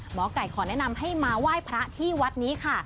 หมอไก่ขอแนะนำให้มาไหว้พระที่วัดนี้ค่ะ